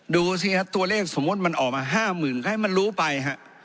ดูสิครับตัวเลขสมมุติมันออกมา๕๐๐๐ก็ให้มันรู้ไปฮะ